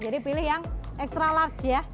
pilih yang extra large ya